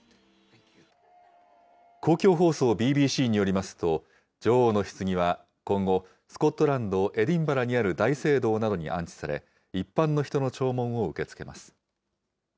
公共放送ＢＢＣによりますと、女王のひつぎは今後、スコットランド・エディンバラにある大聖堂などに安置され、一般の人の弔問を受け付けます。